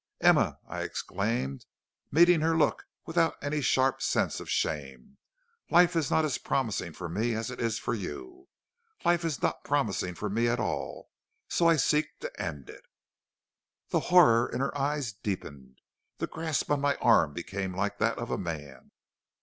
"'Emma,' I exclaimed, meeting her look without any sharp sense of shame, 'life is not as promising for me as it is for you; life is not promising for me at all, so I seek to end it.' "The horror in her eyes deepened. The grasp on my arm became like that of a man.